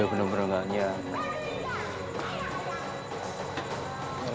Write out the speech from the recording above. wih bener bener gak nyar